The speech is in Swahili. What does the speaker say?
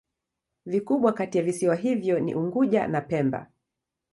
Vikubwa kati ya visiwa hivyo ni Unguja na Pemba.